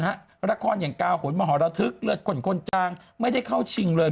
นะฮะละครอย่างก้าวหุ่นมหรัฐศึกเลือดขนคนจางไม่ได้เข้าชิงเลย